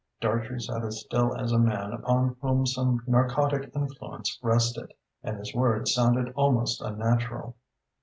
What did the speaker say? Dartrey sat as still as a man upon whom some narcotic influence rested, and his words sounded almost unnatural.